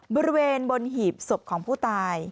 บริเวณบนหีบศพของผู้ตาย